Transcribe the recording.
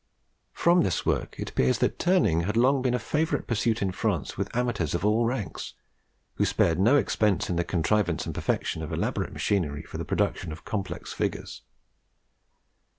From this work it appears that turning had long been a favourite pursuit in France with amateurs of all ranks, who spared no expense in the contrivance and perfection of elaborate machinery for the production of complex figures.